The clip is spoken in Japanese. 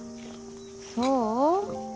そう？